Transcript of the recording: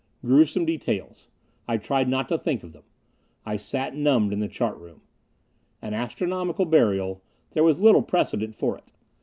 Gruesome details. I tried not to think of them. I sat, numbed, in the chart room. An astronomical burial there was little precedent for it.